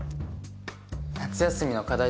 夏休みの課題